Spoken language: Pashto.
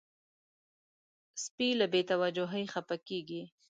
سپي له بې توجهۍ خپه کېږي.